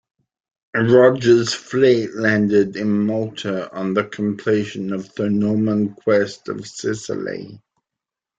Roger's fleet landed in Malta on the completion of the Norman conquest of Sicily.